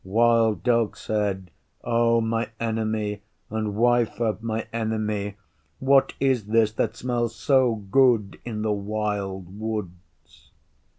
Wild Dog said, 'O my Enemy and Wife of my Enemy, what is this that smells so good in the Wild Woods?